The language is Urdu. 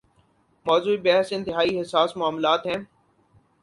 موضوع بحث انتہائی حساس معاملات ہیں۔